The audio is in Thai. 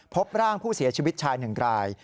พบร่างผู้เสียชีวิตชาย๑ราย